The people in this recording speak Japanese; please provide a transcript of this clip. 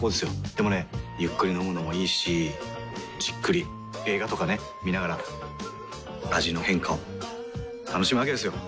でもねゆっくり飲むのもいいしじっくり映画とかね観ながら味の変化を楽しむわけですよ。